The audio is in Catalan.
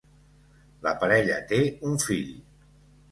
La parella té un fill.